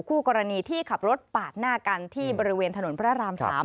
คู่กรณีที่ขับรถปาดหน้ากันที่บริเวณถนนพระราม๓